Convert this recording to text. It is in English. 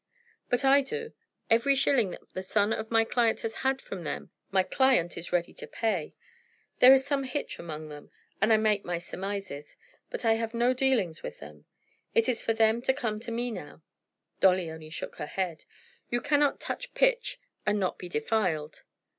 "But I do. Every shilling that the son of my client has had from them my client is ready to pay. There is some hitch among them, and I make my surmises. But I have no dealings with them. It is for them to come to me now." Dolly only shook her head. "You cannot touch pitch and not be defiled."